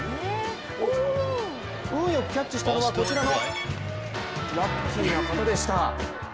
運良くキャッチしたのはこちらのラッキーな方でした。